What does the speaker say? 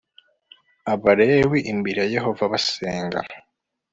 abalewi imbere ya yehova basenga